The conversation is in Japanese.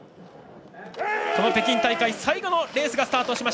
北京大会最後のレースがスタート。